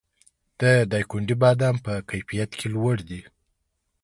د دایکنډي بادام په کیفیت کې لوړ دي